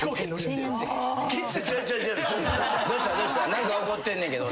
何か起こってんねんけど。